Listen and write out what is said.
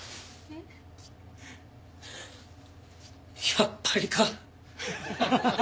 やっぱりか。